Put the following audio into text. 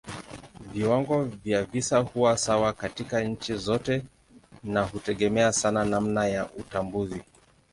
Viwango vya visa huwa sawa katika nchi zote na hutegemea sana namna ya utambuzi.